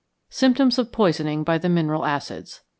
_Symptoms of Poisoning by the Mineral Acids.